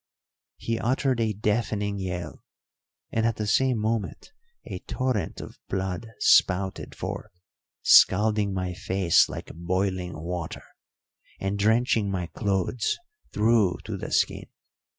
He uttered a deafening yell, and at the same moment a torrent of blood spouted forth, scalding my face like boiling water, and drenching my clothes through to the skin.